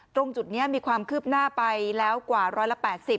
ตรงจุดนี้มีความคืบหน้าไปแล้วกว่าร้อยละ๘๐